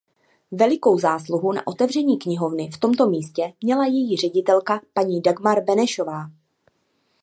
Velikou zásluhu na otevření knihovny v tomto místě měla její ředitelka paní Dagmar Benešová.